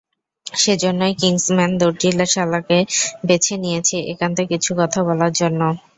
সেজন্যই কিংসম্যান দর্জিশালাকে বেছে নিয়েছি একান্তে কিছু কথা বলার জন্য।